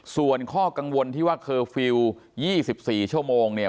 ส่วนข้อกังวลที่ว่าเคอร์ฟิลล์๒๔ชั่วโมงเนี่ย